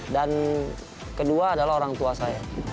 dan kedua adalah orang tua saya